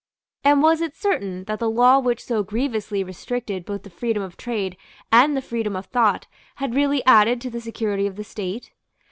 And was it certain that the law which so grievously restricted both the freedom of trade and the freedom of thought had really added to the security of the State?